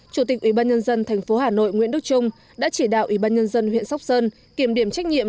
chủ tịch ủy ban nhân dân tp hà nội nguyễn đức trung đã chỉ đạo ủy ban nhân dân huyện sóc sơn kiểm điểm trách nhiệm